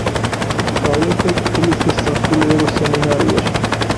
სწავლობდა ტფილისის სასულიერო სემინარიაში.